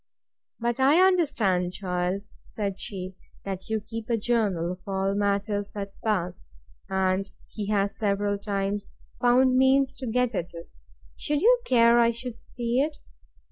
But I understand, child, said she, that you keep a journal of all matters that pass, and he has several times found means to get at it: Should you care I should see it?